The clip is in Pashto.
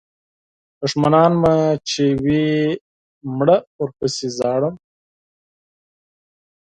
دوښمنان مې چې وي مړه ورپسې ژاړم.